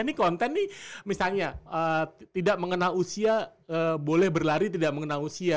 ini konten nih misalnya tidak mengenal usia boleh berlari tidak mengenal usia